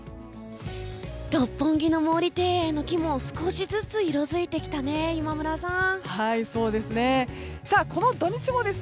六本木の毛利庭園の木も少しずつ色づいてきたね、今村さん。